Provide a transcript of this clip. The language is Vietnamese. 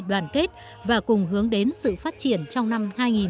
đoàn kết và cùng hướng đến sự phát triển trong năm hai nghìn một mươi tám